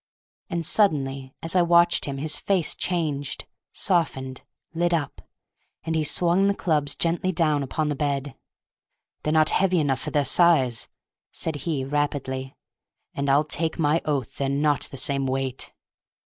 And suddenly as I watched him his face changed, softened, lit up, and he swung the clubs gently down upon the bed. "They're not heavy enough for their size," said he rapidly; "and I'll take my oath they're not the same weight!"